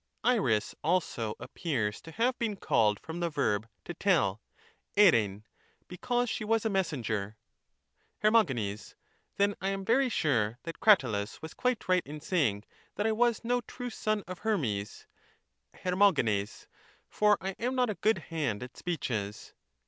Iris also appears to have been called from the verb ' to tell ' {dpeiv), because she was a messenger. Her. Then I am very sure that Cratyius was quite right in saying that I was no true son of Hermes {'EpiioyEvrjc), for I am not a good hand at speeches.